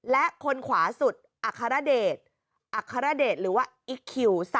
และคนขวาสุดอัครเดชอัครเดชหรือว่าอีคคิว๓